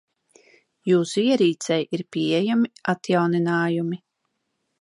Jūsu ierīcei ir pieejami atjauninājumi.